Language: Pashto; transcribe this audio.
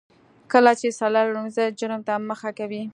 کله چې سړی لومړي ځل جرم ته مخه کوي